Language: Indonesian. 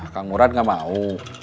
kang murad gak mau